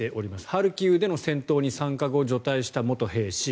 ハルキウでの戦闘に参加後除隊した元兵士。